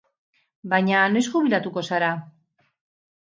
Baina, noiz jubilatuko zara?